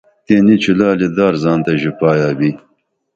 تئیں نی چُلالی درا زان تہ ژوپایا بھی